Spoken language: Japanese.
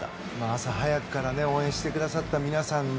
朝早くから応援してくださった皆さん